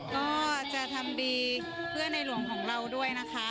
ก็จะทำดีเพื่อในหลวงของเราด้วยนะคะ